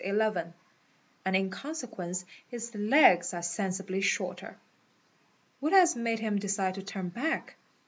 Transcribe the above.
eleven, and in consequence his legs are sensibly shorter. What has made him decide to turn back?